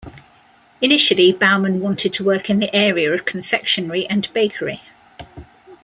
Initially, Baumann wanted to work in the area of confectionery and bakery.